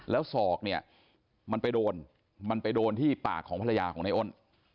แล้วศอกเนี่ยมันไปโดนมันไปโดนที่ปากของภรรยาของในอ้น